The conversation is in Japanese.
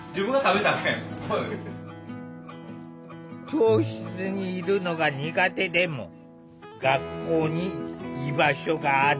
教室にいるのが苦手でも学校に居場所がある。